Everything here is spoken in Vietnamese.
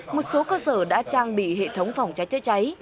một số cơ sở đã trang bị hệ thống phòng cháy chữa cháy